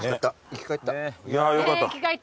生き返ったね。